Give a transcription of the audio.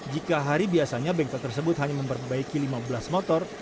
jika hari biasanya bengkel tersebut hanya memperbaiki lima belas motor